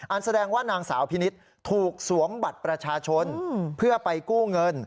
แสดงว่านางสาวพินิษฐ์ถูกสวมบัตรประชาชนเพื่อไปกู้เงิน